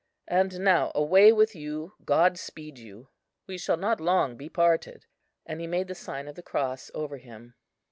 And now away with you, God speed you, we shall not long be parted," and he made the sign of the cross over him.